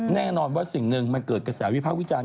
แน่นอนว่าสิ่งหนึ่งมันเกิดกระแสวิภาควิจารณ